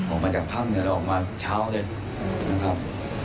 ออกมาจากถ้ำออกมาเช้าเลยนะครับ